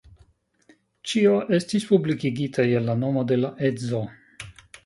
Ĉio estis publikigita je la nomo de la edzo.